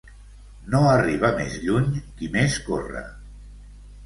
No arriba més lluny qui més corre.